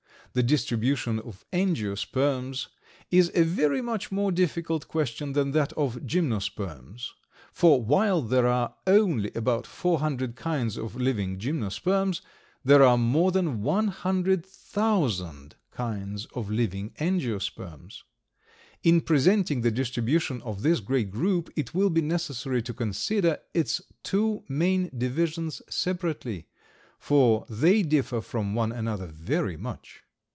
The distribution of Angiosperms is a very much more difficult question than that of Gymnosperms; for while there are only about four hundred kinds of living Gymnosperms, there are more than one hundred thousand kinds of living Angiosperms. In presenting the distribution of this great group, it will be necessary to consider its two main divisions separately, for they differ from one another very much.